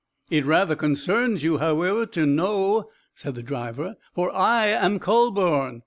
"It rather concerns you, however, to know," said the driver, "for I am Kühleborn."